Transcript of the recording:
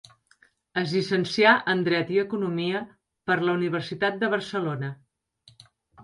Es llicencià en dret i economia per la Universitat de Barcelona.